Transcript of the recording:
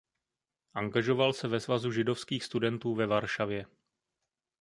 Angažoval se ve svazu židovských studentů ve Varšavě.